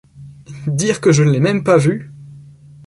Dire que je ne l’ai même pas vu !